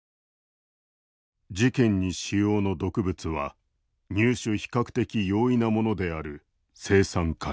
「事件に使用の毒物は入手比較的容易なものである青酸カリ」。